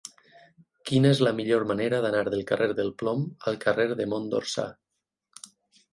Quina és la millor manera d'anar del carrer del Plom al carrer de Mont d'Orsà?